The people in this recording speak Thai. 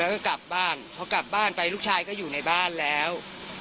แล้วก็กลับบ้านพอกลับบ้านไปลูกชายก็อยู่ในบ้านแล้ว